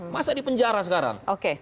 masa di penjara sekarang